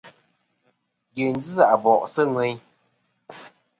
Dyèyn ji Abòʼ sɨ̂ ŋweyn.